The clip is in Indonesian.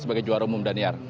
sebagai juara umum dan niat